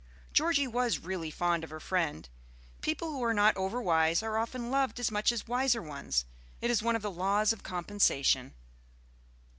Georgie was really fond of her friend. People who are not over wise are often loved as much as wiser ones; it is one of the laws of compensation.